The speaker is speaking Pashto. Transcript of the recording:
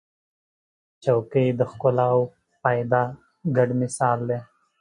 چوکۍ د ښکلا او فایده ګډ مثال دی.